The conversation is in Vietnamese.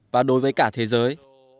và đối với cả thế giới